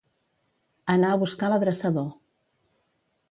Anar a buscar l'adreçador.